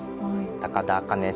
高田茜さん。